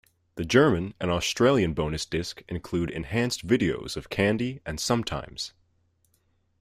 The German and Australian bonus disc include enhanced videos of "Candy" and "Sometimes".